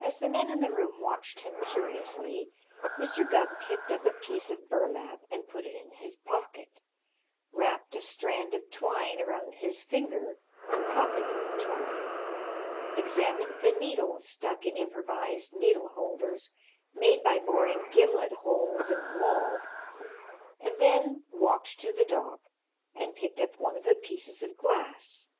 As the men in the room watched him curiously, Mr. Gubb picked up a piece of burlap and put it in his pocket, wrapped a strand of twine around his finger and pocketed the twine, examined the needles stuck in improvised needle holders made by boring gimlet holes in the wall, and then walked to the dock and picked up one of the pieces of glass.